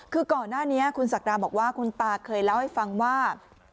คือก่อนหน้านี้คุณศักดาบอกว่าคุณตาเคยเล่าให้ฟังว่า